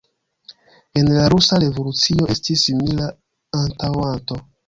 En la rusa revolucio estis simila antaŭanto.